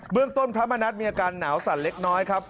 เรื่องต้นพระมณัฐมีอาการหนาวสั่นเล็กน้อยครับ